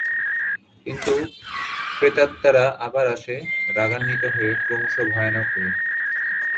কিন্তু প্রেতাত্মারা আবার আসে রাগান্বিত হয়ে ক্রমশ ভয়ানক হয়ে।